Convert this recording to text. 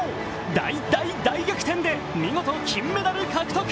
大、大、大逆転で見事、金メダル獲得。